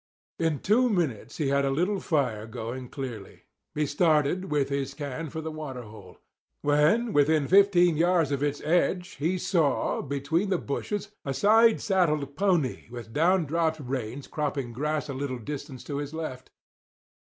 In two minutes he had a little fire going clearly. He started, with his can, for the water hole. When within fifteen yards of its edge he saw, between the bushes, a side saddled pony with down dropped reins cropping grass a little distance to his left.